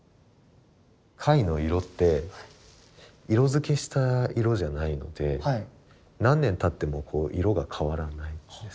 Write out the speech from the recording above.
貝の色って色付けした色じゃないので何年たっても色が変わらないんです。